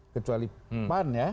kecuali pan ya